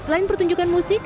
selain pertunjukan musik